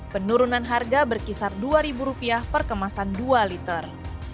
penurunan harga berkisar rp dua per kemasan dua liter